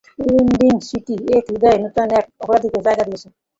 Windy city এর হৃদয়ে নতুন এক অপরাধীকে জায়গা দিয়েছে।